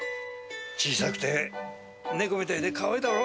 小さくて猫みたいでカワイイだろ？